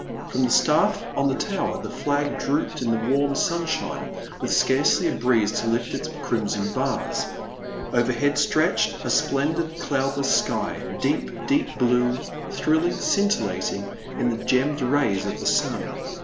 From the staflF on the tower the flag drooped in the warm sunshine with scarcely a breeze to lift its crimson bars. Overhead stretched a splendid cloudless sky, deep, deep blue, thrilling, scintil lating in the gemmed rays of the sun.